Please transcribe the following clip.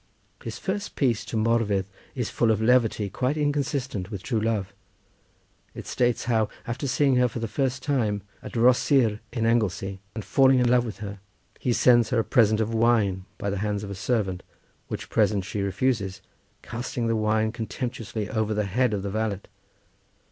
His first piece to Morfudd is full of levity quite inconsistent with true love. It states how, after seeing her for the first time at Rhosyr in Anglesey, and falling in love with her, he sends her a present of wine by the hands of a servant, which present she refuses, casting the wine contemptuously over the head of the valet.